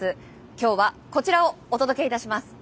今日はこちらをお届けいたします。